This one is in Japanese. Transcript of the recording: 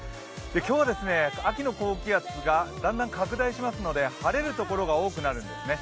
今日は秋の高気圧がだんだん拡大しますので晴れる所が多くなるんですね。